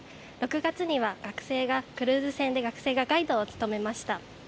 ６月には学生がクルーズ船でガイドを務めました。